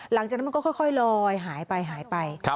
หลังจากนั้นมันก็ค่อยลอยหายไปหายไป